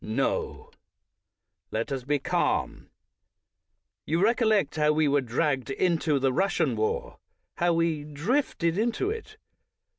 No, let us be calm. You recollect how we were dragged into the Russian war — how we "drifted" into it.